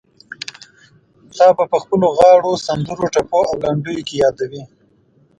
تا به په خپلو غاړو، سندرو، ټپو او لنډيو کې يادوي.